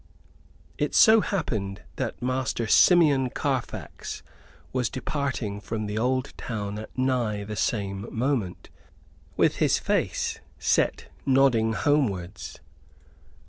It so happened that Master Simeon Carfax was departing from the old town at nigh the same moment, with his face set nodding homewards.